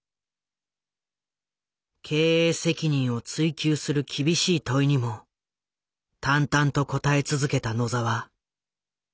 経営責任を追及する厳しい問いにも淡々と答え続けた野澤。